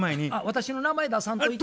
「私の名前出さんといて」と。